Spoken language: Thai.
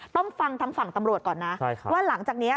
ต้องฟังทางฝั่งตำรวจก่อนนะว่าหลังจากนี้